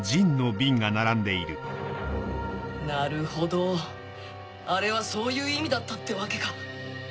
なるほどあれはそういう意味だったってわけか